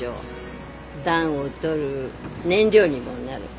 暖を取る燃料にもなる。